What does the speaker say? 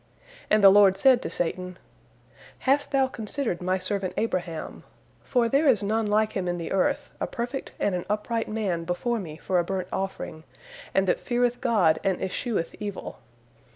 And the Lord said to Satan: "Hast thou considered My servant Abraham? For there is none like him in the earth, a perfect and an upright man before Me for a burnt offering, and that feareth God and escheweth evil.